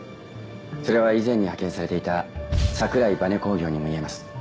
それは以前に派遣されていた桜井バネ工業にも言えます。